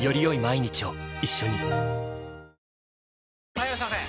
・はいいらっしゃいませ！